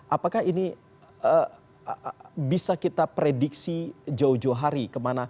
apakah ini bisa kita prediksi jauh jauh hari kemana